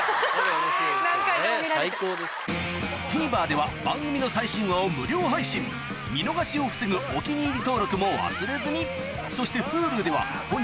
ＴＶｅｒでは番組の最新話を無料配信見逃しを防ぐ「お気に入り」登録も忘れずにそしてＨｕｌｕでは本日の放送も過去の放送も配信中